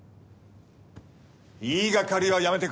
言いがかりはやめてくれ不愉快だ！